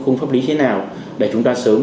không pháp lý thế nào để chúng ta sớm